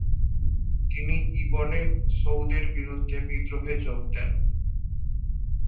তিনি ইবনে সৌদের বিরুদ্ধে বিদ্রোহে যোগ দেন।